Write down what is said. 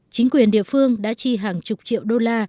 chính quyền địa phương đã chi hàng chục triệu đô la